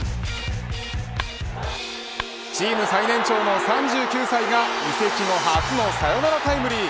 チーム最年長の３９歳が移籍後初のサヨナラタイムリー。